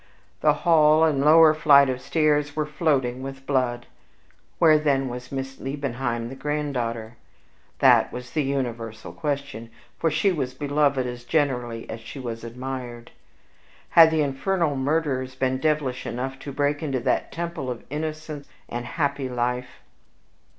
The hall and lower flight of stairs were floating with blood. Where, then, was Miss Liebenheim, the granddaughter? That was the universal cry; for she was beloved as generally as she was admired. Had the infernal murderers been devilish enough to break into that temple of innocent and happy life?